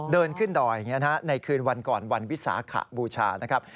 เดินขึ้นดอยได้คืนวันก่อนวันวิสาขบูชากัน